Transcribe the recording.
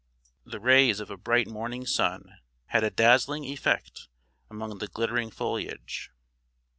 The rays of a bright morning sun had a dazzling effect among the glittering foliage.